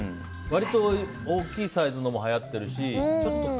割と、大きいサイズのもはやってるしちょっと